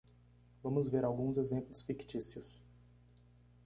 Vamos ver alguns exemplos fictícios.